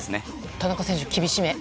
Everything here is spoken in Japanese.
田中選手、厳しめ。